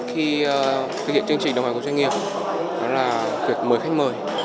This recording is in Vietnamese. khi thực hiện chương trình đồng hành của doanh nghiệp đó là việc mời khách mời